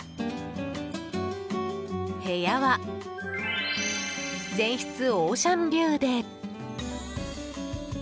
部屋は全室オーシャンビューで。